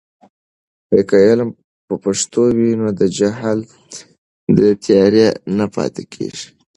که علم په پښتو وي، نو د جهل تیارې نه پاتې کېږي.